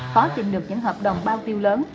khó tìm được những hợp đồng bao tiêu lớn